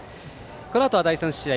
このあとは第３試合。